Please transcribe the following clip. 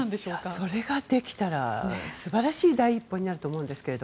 それができたら素晴らしい第一歩になると思うんですけど。